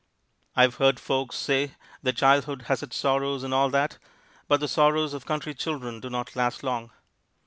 I've heard folks say that childhood has its sorrows and all that, but the sorrows of country children do not last long.